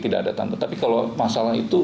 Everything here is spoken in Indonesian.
tidak ada tanda tapi kalau masalah itu